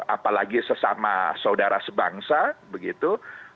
apalagi sesama saudara sebangsa begitu